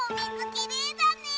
きれいだね。